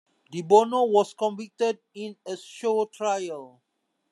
De Bono was convicted in a show trial.